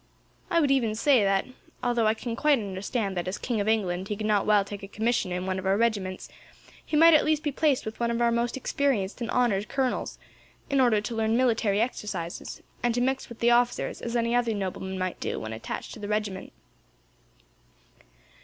I would even say that, although I can quite understand that, as King of England, he could not well take a commission in one of our regiments, he might at least be placed with one of our most experienced and honoured colonels, in order to learn military exercises, and to mix with the officers as any other nobleman might do, when attached to the regiment."